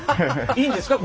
いいんですか？